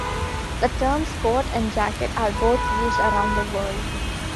The terms "coat" and "jacket" are both used around the world.